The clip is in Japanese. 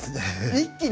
一気に？